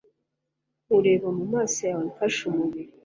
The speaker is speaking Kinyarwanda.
Nkureba mu maso yawe Mfashe umubiri